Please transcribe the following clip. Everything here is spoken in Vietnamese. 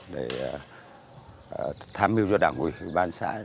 để thám mưu cho đảng quỷ bàn xã